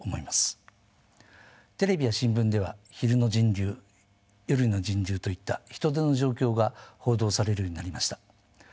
テレビや新聞では昼の人流夜の人流といった人出の状況が報道されるようになりました。